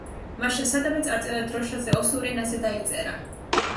მაშასადამე, წარწერა დროშაზე ოსურ ენაზე დაიწერა.